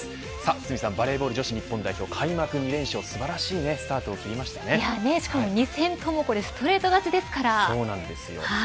堤さん、バレーボール日本代表開幕２連勝、素晴らしいしかも２戦ともそうなんですよ。